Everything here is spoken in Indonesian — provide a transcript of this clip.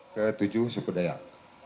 ketujuh suku dayak